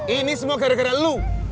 ini semua gara gara lu